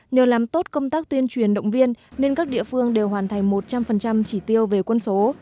nhờ làm tốt công tác tuyên truyền động viên nên các địa phương đều hoàn thành một trăm linh chỉ tiêu về quân số